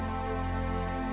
aku akan bersihkan